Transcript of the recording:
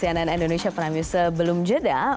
cnn indonesia prime news sebelum jeda